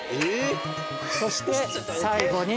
そして最後に